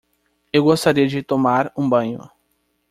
Eu gostaria de tomar um banho.